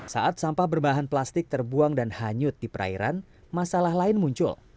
saat sampah berbahan plastik terbuang dan hanyut di perairan masalah lain muncul